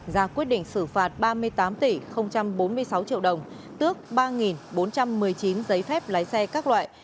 ra quyết định xử phạt ba mươi tám tỷ bốn mươi sáu triệu đồng tước ba bốn trăm một mươi chín giấy phép lái xe các loại